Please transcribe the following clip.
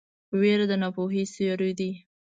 ویره د ناپوهۍ سیوری دی.